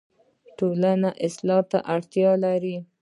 ټولنه اصلاح ته اړتیا لري